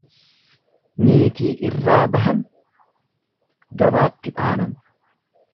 Niitii irraa bahan gabaatti dhaanan.